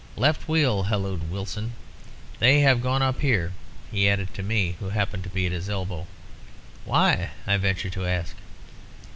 "'Left wheel!' hallooed Wilson. 'They have gone up here,' he added to me, who happened to be at his elbow. "'Why?' I ventured to ask.